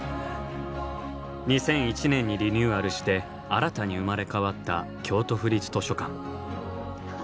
２００１年にリニューアルして新たに生まれ変わった京都府立図書館。